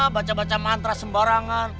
baca baca mantra sembarangan